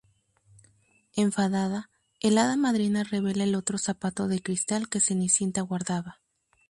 Enfadada, el hada madrina revela el otro zapato de cristal que Cenicienta guardaba.